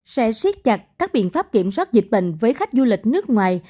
sẽ siết chặt các biện pháp kiểm soát dịch bệnh với khách du lịch nước ngoài